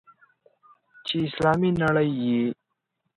چې اسلامي نړۍ یې.